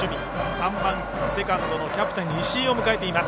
３番、セカンドのキャプテン石井を迎えています。